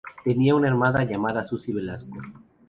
Tenía una hermana llamada Susy Velasco.